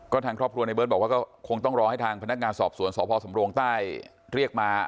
ทางครอบครัวในเบิร์ตบอกว่าก็คงต้องรอให้ทางพนักงานสอบสวนสพสำโรงใต้เรียกมา